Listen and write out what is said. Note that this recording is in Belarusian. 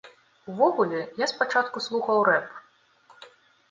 Увогуле, я спачатку слухаў рэп.